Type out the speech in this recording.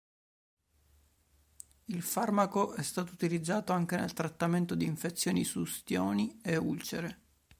Il farmaco è stato utilizzato anche nel trattamento di infezioni su ustioni e ulcere.